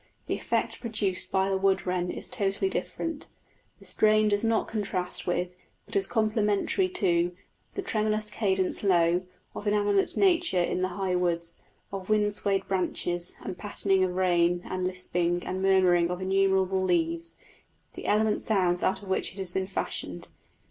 The effect produced by the wood wren is totally different; the strain does not contrast with, but is complementary to, the "tremulous cadence low" of inanimate nature in the high woods, of wind swayed branches and pattering of rain and lisping and murmuring of innumerable leaves the elemental sounds out of which it has been fashioned.